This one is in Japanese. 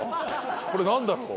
これ何だろう？